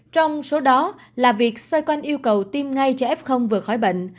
trong số đó là việc sơ quan yêu cầu tiêm ngay cho f vừa khỏi bệnh